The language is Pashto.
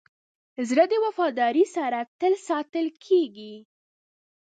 زړه د وفادارۍ سره تل ساتل کېږي.